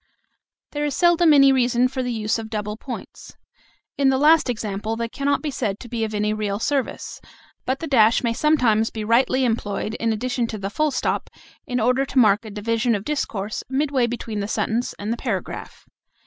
There is seldom any reason for the use of double points. In the last example they cannot be said to be of any real service. But the dash may sometimes be rightly employed in addition to the full stop, in order to mark a division of discourse midway between the sentence and the paragraph.